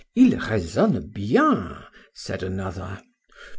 —Il raisonne bien, said another.